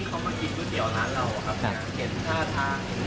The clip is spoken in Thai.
เขามากินผัดเตี๋ยวร้านเราเหรอครับ